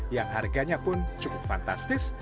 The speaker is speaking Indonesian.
yang harganya pun cukup fantastis